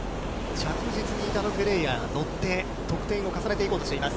着実にイタロ・フェレイラが乗って、得点を重ねていこうとしています。